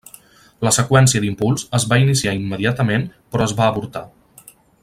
La seqüència d'impuls es va iniciar immediatament però es va avortar.